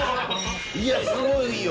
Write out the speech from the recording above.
いやすごいよ！